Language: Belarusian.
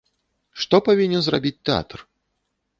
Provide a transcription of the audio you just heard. Што павінен зрабіць тэатр?